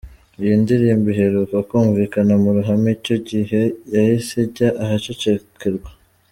Iyi ndirimbo iheruka kumvikana mu ruhame icyo gihe, yahise ijya ahacecekerwa.